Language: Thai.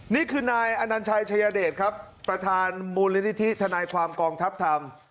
นี่คือนายอนัญชัยชายเดชครับประธานมูลนิธิทนายความกองทัพธรรม